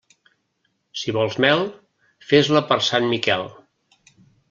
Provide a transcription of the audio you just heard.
Si vols mel, fes-la per Sant Miquel.